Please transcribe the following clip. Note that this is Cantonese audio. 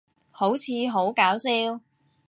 好似好搞笑